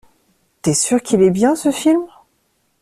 T'es sûr qu'il est bien ce film?